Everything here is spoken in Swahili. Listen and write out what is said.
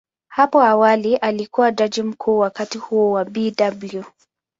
Hapo awali alikuwa Jaji Mkuu, wakati huo Bw.